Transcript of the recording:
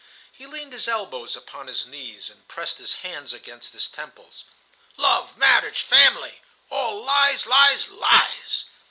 He leaned his elbows upon his knees, and pressed his hands against his temples. "Love, marriage, family,—all lies, lies, lies."